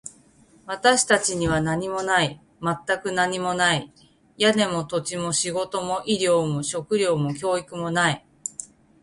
私たちには何もない。全く何もない。屋根も、土地も、仕事も、医療も、食料も、教育もない。